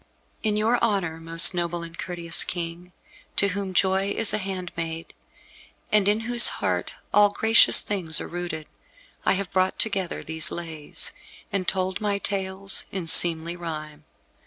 In your honour, most noble and courteous King, to whom joy is a handmaid, and in whose heart all gracious things are rooted, I have brought together these Lays, and told my tales in seemly rhyme.